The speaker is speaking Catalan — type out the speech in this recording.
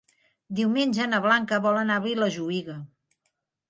Diumenge na Blanca vol anar a Vilajuïga.